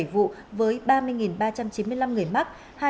một mươi vụ với ba mươi ba trăm chín mươi năm người mắc